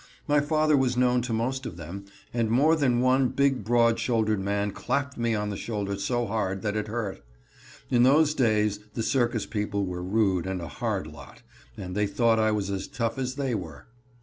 My father was known to most of them, and more than one big broad shouldered man clapped me on the shoulder so hard that it hurt. In those days the circus people were rude and a hard lot, and they thought I was as tough as they were.